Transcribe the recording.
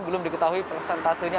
belum diketahui presentasinya